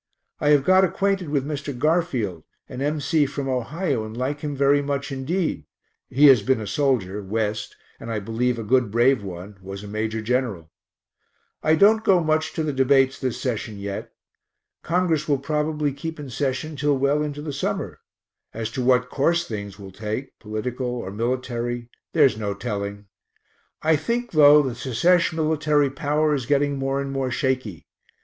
I have got acquainted with Mr. Garfield, an M. C. from Ohio, and like him very much indeed (he has been a soldier West, and I believe a good brave one was a major general). I don't go much to the debates this session yet. Congress will probably keep in session till well into the summer. As to what course things will take, political or military, there's no telling. I think, though, the Secesh military power is getting more and more shaky.